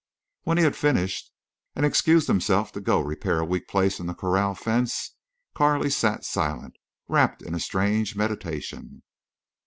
When he had finished, and excused himself to go repair a weak place in the corral fence, Carley sat silent, wrapped in strange meditation.